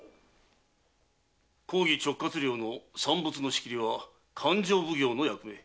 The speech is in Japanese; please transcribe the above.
公儀直轄領の産物の仕切りは勘定奉行の役目。